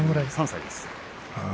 ２３歳です。